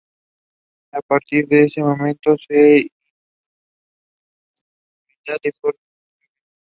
Y a partir de este momento se impone la superioridad de George sobre Biff.